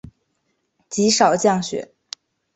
极少降雪。